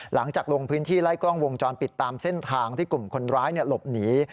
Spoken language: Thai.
หลังจากลงพื้นที่ไล่กล้องวงจรปิดตามเส้นทางที่กลุ่มคนร้ายหลบหนี